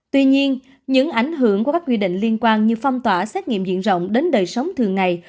tuy nhiên những ảnh hưởng của các quy định liên quan như phong tỏa xét nghiệm diện rộng đến đời sống thường ngày